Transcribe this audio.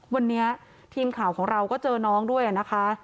วันนี้ทีมข่าวของเราก็เจอน้องด้วยนะคะ